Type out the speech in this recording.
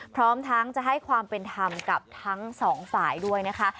พร้อมทั้งจะให้ความเป็นธรรมกับทั้งสองฝ่ายด้วยนะคะ